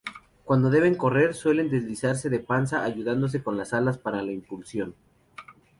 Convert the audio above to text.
Cuando deben correr suelen deslizarse de panza ayudándose con las alas para la impulsión.